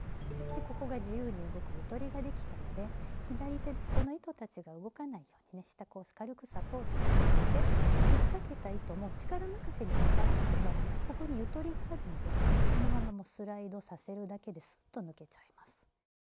でここが自由に動く「ゆとり」ができたので左手でこの糸たちが動かないようにね下こう軽くサポートしてあげてひっかけた糸も力任せに抜かなくてもここに「ゆとり」があるのでこのままもうスライドさせるだけでスッと抜けちゃいます。